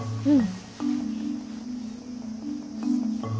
うん。